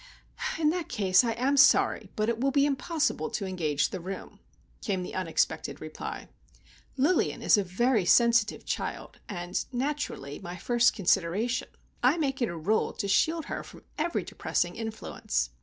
"In that case, I am sorry, but it will be impossible to engage the room," came the unexpected reply. "Lilian is a very sensitive child,—and, naturally, my first consideration. I make it a rule to shield her from every depressing influence.